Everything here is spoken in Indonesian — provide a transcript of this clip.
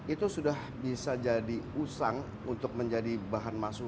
itu sudah bisa jadi usang untuk menjadi bahan masukan